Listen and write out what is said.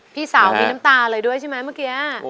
พี่สาวมีน้ำตาเลยด้วยใช่ไหมเมื่อกี้